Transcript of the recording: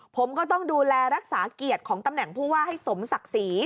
ผมก็ต้องดูแลรักษาเกียรติของตำแหน่งผู้ว่าให้สมศักดิ์ศรี